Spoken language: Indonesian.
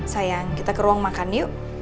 sayang kita ke ruang makan yuk